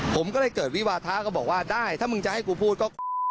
ผมก็เลยเกิดวิวาทะก็บอกว่าได้ถ้ามึงจะให้กูพูดก็